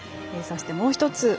そして、もう１つ。